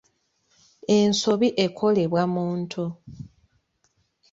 Ensobi ekolebwa muntu.